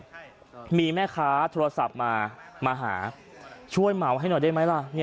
มีแม่ค้าโทรศัพท์มามาหาช่วยเหมาให้หน่อยได้ไหมล่ะ